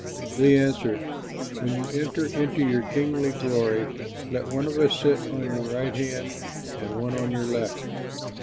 They answered, "When you enter into your kingly glory, let one of us sit on your right hand and one on your left."